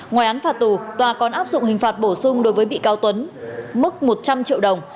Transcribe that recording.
ngoài án phạt tù tòa còn áp dụng hình phạt bổ sung đối với bị cáo tuấn mức một trăm linh triệu đồng